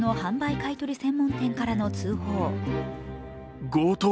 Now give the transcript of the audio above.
買い取り専門店からの通報。